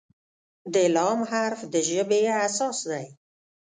د "ل" حرف د ژبې اساس دی.